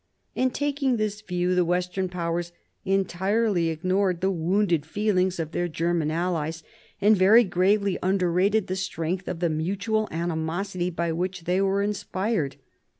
In taking this view the Western Powers entirely ignored the wounded feelings of their German allies, and very gravely underrated the strength of the mutual animosity by which they were inspired.